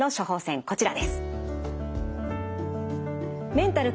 こちらです。